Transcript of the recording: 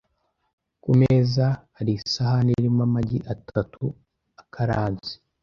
Ku meza, hari isahani irimo amagi atatu akaranze .